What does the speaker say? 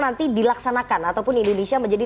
nanti dilaksanakan ataupun indonesia menjadi